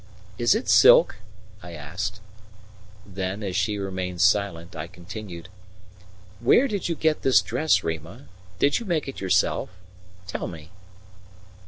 "Is it silk?" I asked. Then, as she remained silent, I continued: "Where did you get this dress, Rima? Did you make it yourself? Tell me."